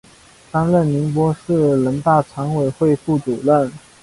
担任宁波市人大常委会副主任。